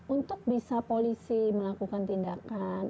untuk bisa polisi melakukan tindakan